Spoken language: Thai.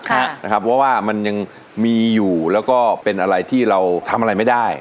เพราะว่ามันยังมีอยู่แล้วก็เป็นอะไรที่เราทำอะไรไม่ได้